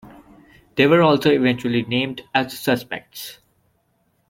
They were also eventually named as suspects.